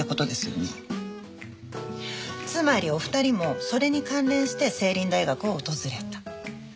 つまりお二人もそれに関連して成林大学を訪れた。